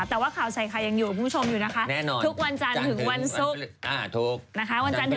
แต่ว่าข่าวใส่ไข่ยังอยู่กับคุณผู้ชมอยู่นะคะทุกวันจันทร์ถึงวันศุกร์นะคะ